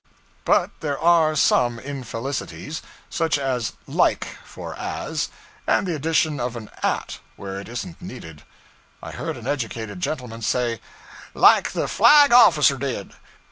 But there are some infelicities. Such as 'like' for 'as,' and the addition of an 'at' where it isn't needed. I heard an educated gentleman say, 'Like the flag officer did.'